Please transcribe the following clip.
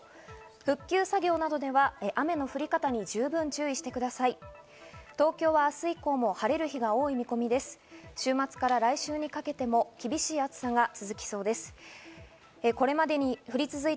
復旧作業などでは雨の降り方に十分注意してください。